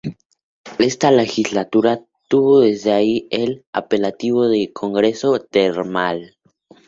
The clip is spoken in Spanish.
Esta legislatura tuvo desde ahí el apelativo de Congreso Termal.